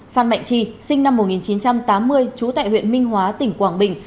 phan mạnh chi sinh năm một nghìn chín trăm tám mươi trú tại huyện minh hóa tỉnh quảng bình